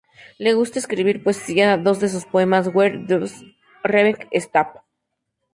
Le gusta escribir poesía, dos de sus poemas "Where Does Revenge Stop?